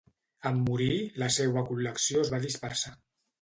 En morir, la seua col·lecció es va dispersar.